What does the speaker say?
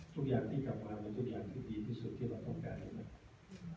ทุกอย่างที่กลับมาเป็นทุกอย่างที่ดีที่สุดที่เราต้องการนะครับ